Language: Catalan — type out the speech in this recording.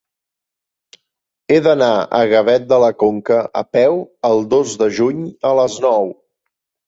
He d'anar a Gavet de la Conca a peu el dos de juny a les nou.